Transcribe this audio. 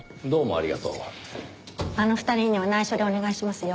あの２人には内緒でお願いしますよ。